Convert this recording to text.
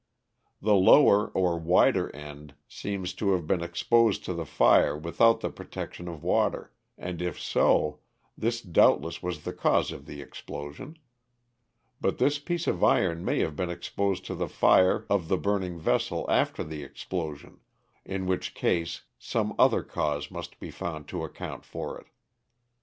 The lower or wider end seems to have been exposed to the fire without the protection of water, and if so, this doubtless was the cause of the explo sion ; but this piece of iron may have been exposed to the fire of the burning vessel after the explosion, in whicU case some other cause must be found to account for it.